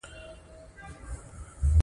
خو د هغه د ژوند تخيلي نړۍ عجيبه وه.